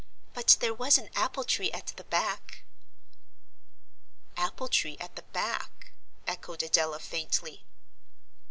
But there was an apple tree at the back." "Apple tree at the back?" echoed Adela, faintly.